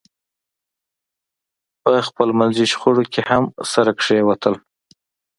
په خپلمنځي شخړو کې هم سره کېوتل.